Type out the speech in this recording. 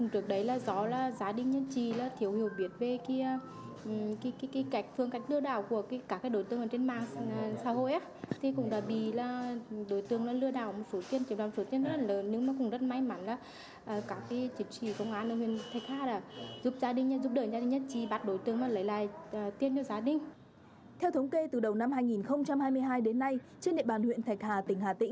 theo thống kê từ đầu năm hai nghìn hai mươi hai đến nay trên địa bàn huyện thạch hà tỉnh hà tĩnh